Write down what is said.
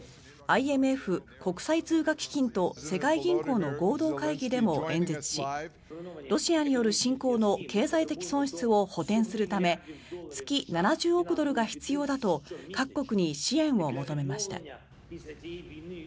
ＩＭＦ・国際通貨基金と世界銀行の合同会議でも演説しロシアによる侵攻の経済的損失を補てんするため月７０億ドルが必要だと各国に支援を求めました。